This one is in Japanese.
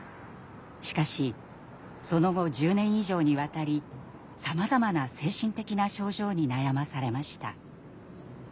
しかしその後１０年以上にわたりさまざまな精神的な症状に悩まされました。